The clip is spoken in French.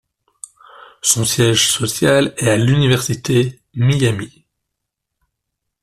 Son siège social est à l'Université Miami.